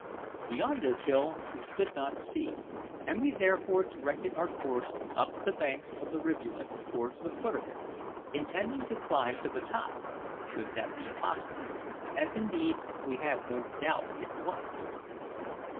Beyond this hill we could not see, and we therefore directed our course up the banks of the rivulet towards the foot of it, intending to climb to the top, should that be possible as, indeed, we had no doubt it was.